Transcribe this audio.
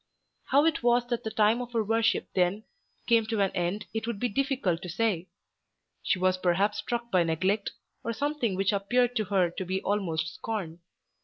How it was that the time of her worship then came to an end it would be difficult to say. She was perhaps struck by neglect, or something which appeared to her to be almost scorn.